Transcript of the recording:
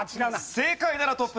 正解ならトップ